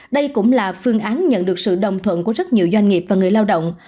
đây cũng là phương án nhận được sự đồng thuận của rất nhiều doanh nghiệp và người lao động